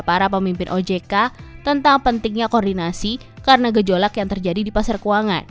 para pemimpin ojk tentang pentingnya koordinasi karena gejolak yang terjadi di pasar keuangan